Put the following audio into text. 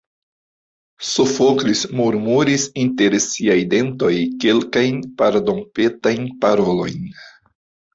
Sofoklis murmuris inter siaj dentoj kelkajn pardonpetajn parolojn.